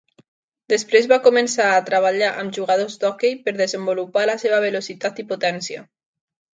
Després va començar a treballar amb jugadors d'hoquei per desenvolupar la seva velocitat i potència.